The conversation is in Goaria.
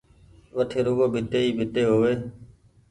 وٺي رڳو ڀيٽي ئي ڀيٽي هووي